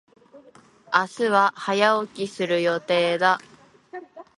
明日は早起きする予定だ。